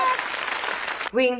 ウィン。